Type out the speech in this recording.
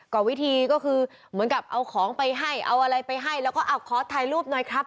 ก็วิธีก็คือเหมือนกับเอาของไปให้เอาอะไรไปให้แล้วก็เอาขอถ่ายรูปหน่อยครับ